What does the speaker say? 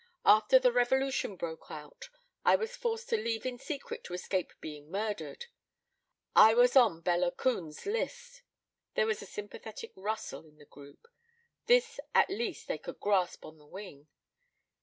After the revolution broke out I was forced to leave in secret to escape being murdered. I was on Bela Kun's list " There was a sympathetic rustle in the group. This at least they could grasp on the wing.